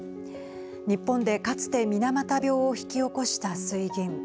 日本で、かつて水俣病を引き起こした水銀。